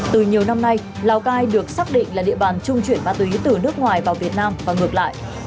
từ nhiều năm nay lào cai được xác định là địa bàn trung chuyển ma túy từ nước ngoài vào việt nam và ngược lại